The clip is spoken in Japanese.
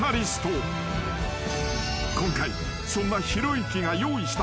［今回そんなひろゆきが用意した］